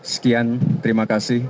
sekian terima kasih